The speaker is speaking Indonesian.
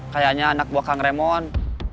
kayaknya anak buah kang remon